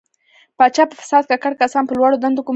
پاچا په فساد ککړ کسان په لوړو دندو ګماري.